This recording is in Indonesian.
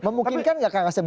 memungkinkan nggak kak kasem